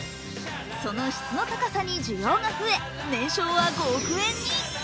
その質の高さに需要が増え年商は５億円に。